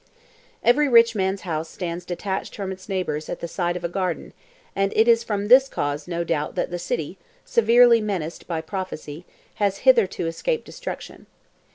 Every rich man's house stands detached from its neighbours at the side of a garden, and it is from this cause no doubt that the city (severely menaced by prophecy) has hitherto escaped destruction.